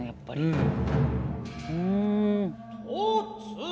うん。